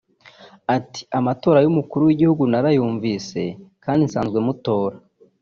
Ati “Amatora y’Umukuru w’Igihugu narayumvise kandi nsanzwe mutora